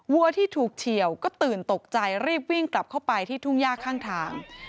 วัวที่ถูกเฉียวก็ตื่นตกใจรีบวิ่งกลับเข้าไปที่ทุ่งย่าข้างทาง